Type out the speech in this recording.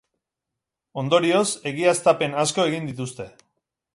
Ondorioz, egiaztapen asko egin dituzte.